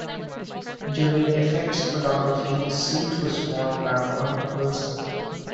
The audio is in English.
During effects photography, the suit was worn by Mark Wilson.